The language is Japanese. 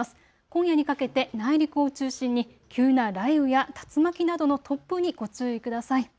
今夜にかけて内陸を中心に急な雷雨や竜巻などの突風にご注意ください。